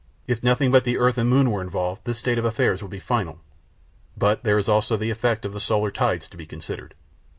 If nothing but the earth and moon were involved this state of affairs would be final. But there is also the effect of the solar tides to be considered.